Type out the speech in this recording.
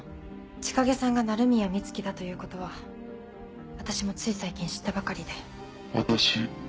千景さんが鳴宮美月だということは私もつい最近知ったばかりで。